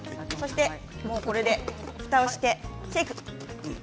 もうこれでふたをしてシェーク。